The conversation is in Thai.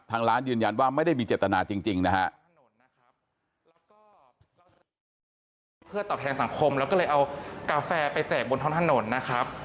ทางร้านยืนยันว่าไม่ได้มีเจตนาจริงจริงนะฮะ